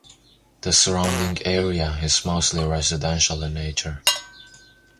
The surrounding area is mostly residential in nature.